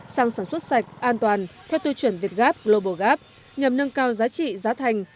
sang sản xuất sạch an toàn theo tiêu chuẩn việt gap global gap nhằm nâng cao giá trị giá thành